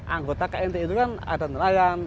anggota knti itu kan ada nelayan